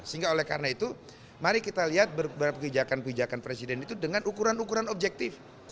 sehingga oleh karena itu mari kita lihat beberapa kebijakan kebijakan presiden itu dengan ukuran ukuran objektif